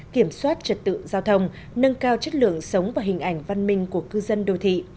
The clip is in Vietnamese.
kiểm soát trật tự giao thông nâng cao chất lượng sống và hình ảnh văn minh của cư dân đô thị